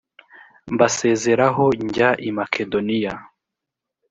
mbasezeraho njya i makedoniya